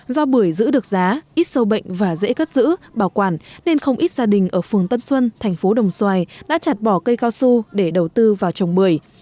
do bưởi giữ được giá ít sâu bệnh và dễ cất giữ bảo quản nên không ít gia đình ở phường tân xuân thành phố đồng xoài đã chặt bỏ cây cao su để đầu tư vào trồng bưởi